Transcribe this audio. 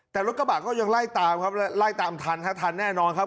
แต่รถกระบะก็ยังไล่ตามไล่ตามทันทนครับทันแน่นอนครับ